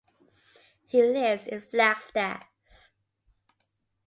He lives in Flagstaff.